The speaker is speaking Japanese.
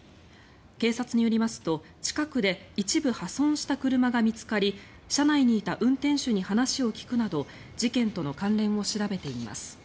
警察によりますと近くで一部破損した車が見つかり車内にいた運転手に話を聞くなど事件との関連を調べています。